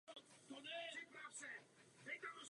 Toto logo bylo umístěno v levém horním rohu klávesnice.